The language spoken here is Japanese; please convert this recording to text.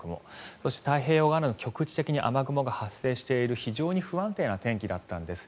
そして太平洋側でも局地的に雨雲が発生している非常に不安定な天気だったんです。